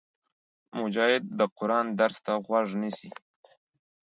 مجاهد د قرآن درس ته غوږ نیسي.